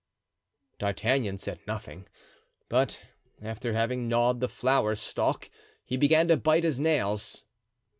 D'Artagnan said nothing, but, after having gnawed the flower stalk, he began to bite his nails.